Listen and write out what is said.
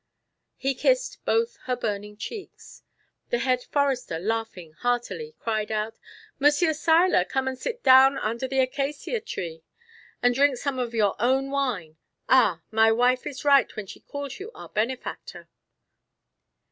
He kissed both her burning cheeks. The Head Forester laughing heartily, cried out: "Monsieur Seiler, come and sit down under the acacia tree and drink some of your own wine. Ah, my wife is right when she calls you our benefactor."